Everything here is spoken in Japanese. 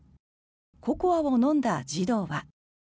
ココアを飲んだ児童は。